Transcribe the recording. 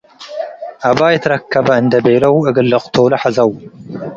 አባይ ትረከበ እንዴ ቤለው እግል ልቅቶሉ ሐዘው።